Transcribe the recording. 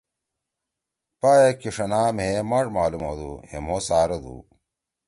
پا ئے کیِݜنا مھیئے ماݜ معلوم ہودُو۔ ہے مھو څارَدُو۔“